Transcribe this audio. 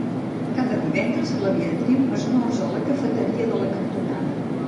Cada divendres, la Beatriu esmorza a la cafeteria de la cantonada.